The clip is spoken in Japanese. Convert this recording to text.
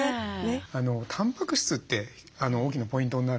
たんぱく質って大きなポイントになるんですね。